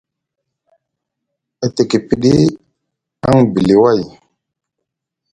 E tiki piɗi aŋ bili way.